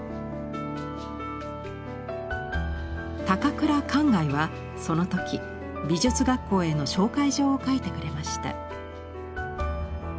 高倉観崖はその時美術学校への紹介状を書いてくれました。